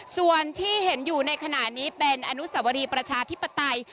ส่วนที่เห็นอยู่ในขณะนี้เป็นอนุสวรีประชาธิปไตย